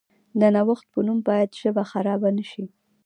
د نوښت په نوم باید ژبه خرابه نشي.